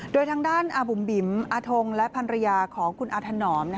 โดยทางด้านอาบุ๋มบิ๋มอาทงและภรรยาของคุณอาถนอม